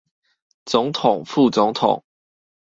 總統、副總統